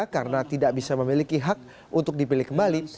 karena tidak bisa memiliki hak untuk dipilih kembali